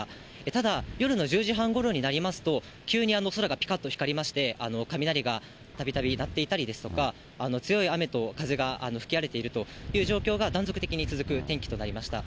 ただ、夜の１０時半ごろになりますと、急に空がぴかっと光りまして、雷がたびたび鳴っていたりですとか、強い雨と風が吹き荒れているという状況が断続的に続く天気となりました。